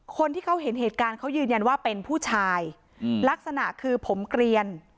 คนที่เขาเห็นเหตุการณ์เขายืนยันว่าเป็นผู้ชายลักษณะคือผมเกลียน